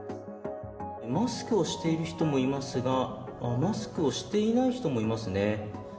マスクをしている人もいますが、マスクをしていない人もいますね。